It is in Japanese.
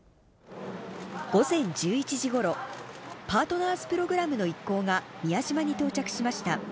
午前１１時ごろ、パートナーズ・プログラムの一行が、宮島に到着しました。